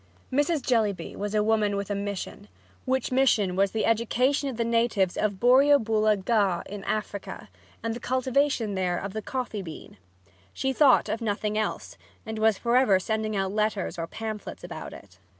Mrs. Jellyby was a woman with a mission, which mission was the education of the natives of Borrioboola Gha, in Africa, and the cultivation there of the coffee bean. She thought of nothing else, and was for ever sending out letters or pamphlets about it.